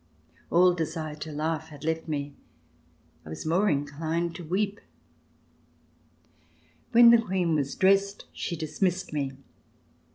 All desire to laugh had left me; I was more inclined to weep. When the Queen was dressed, she dismissed me.